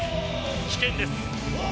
危険です。